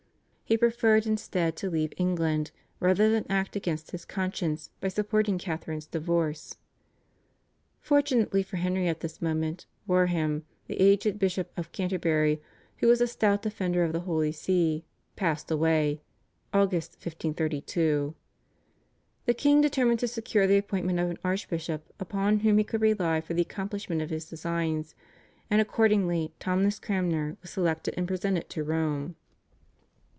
He preferred instead to leave England rather than act against his conscience by supporting Catherine's divorce. Fortunately for Henry at this moment Warham, the aged Archbishop of Canterbury, who was a stout defender of the Holy See, passed away (Aug. 1532). The king determined to secure the appointment of an archbishop upon whom he could rely for the accomplishment of his designs, and accordingly Thomas Cranmer was selected and presented to Rome.